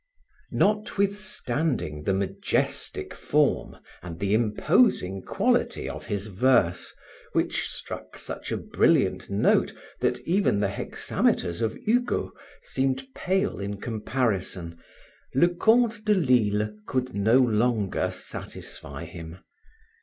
Notwithstanding the majestic form and the imposing quality of his verse which struck such a brilliant note that even the hexameters of Hugo seemed pale in comparison, Leconte de Lisle could no longer satisfy him.